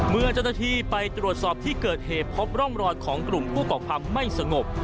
เมื่อเจ้าหน้าที่ไปตรวจสอบที่เกิดเหตุพบร่องรอยของกลุ่มผู้ก่อความไม่สงบ